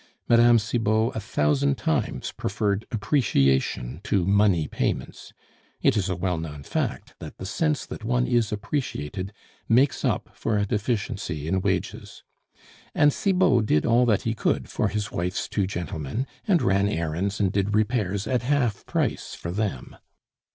Mme. Cibot a thousand times preferred appreciation to money payments; it is a well known fact that the sense that one is appreciated makes up for a deficiency in wages. And Cibot did all that he could for his wife's two gentlemen, and ran errands and did repairs at half price for them.